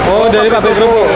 oh dari pabrik kerupuk